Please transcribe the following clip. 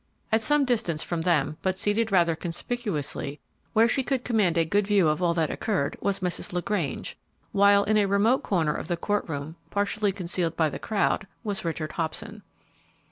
At some distance from them, but seated rather conspicuously where she could command a good view of all that occurred, was Mrs. LaGrange, while in a remote corner of the court room, partially concealed by the crowd, was Richard Hobson.